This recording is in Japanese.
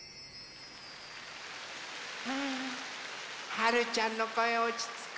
はるちゃんのこえおちつくね。